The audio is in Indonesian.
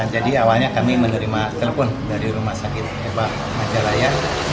jadi awalnya kami menerima telepon dari rumah sakit eba majalaya